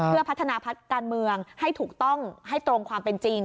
เพื่อพัฒนาพักการเมืองให้ถูกต้องให้ตรงความเป็นจริง